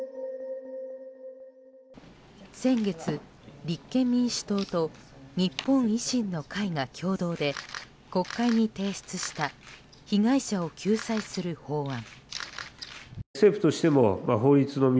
先月立憲民主党と日本維新の会が共同で国会に提出した被害者を救済する法案。